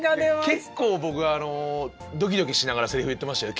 結構僕あのドキドキしながらセリフ言ってましたよ。